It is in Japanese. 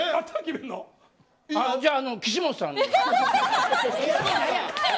じゃあ岸本さん。